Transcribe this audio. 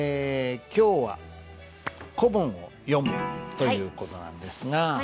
今日は「古文を読む」という事なんですが。